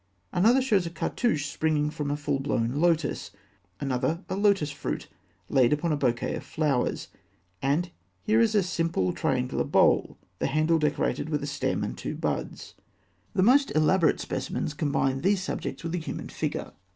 Another shows a cartouche springing from a full blown lotus; another, a lotus fruit laid upon a bouquet of flowers (fig. 247); and here is a simple triangular bowl, the handle decorated with a stem and two buds (fig. 248). The most elaborate specimens combine these subjects with the human figure.